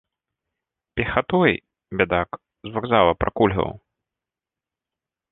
Пехатой, бядак, з вакзала пракульгаў?